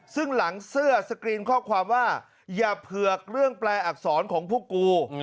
ซึ่งหลังเสื้อสกรีนข้อความว่าอย่าเผือกเรื่องแปลอักษรของพวกกู